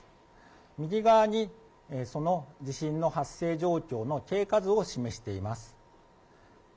右側にその地震の発生状況の経過図を示しています。